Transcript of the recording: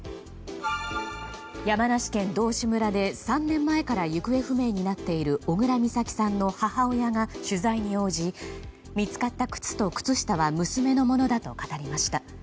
山梨県道志村で３年前から行方不明になっている小倉美咲さんの母親が取材に応じ見つかった靴と靴下は娘のものだと語りました。